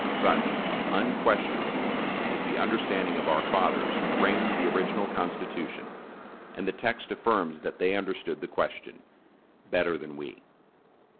Such, unquestionably, was the understanding of our fathers who framed the original Constitution; and the text affirms that they understood the question "better than we."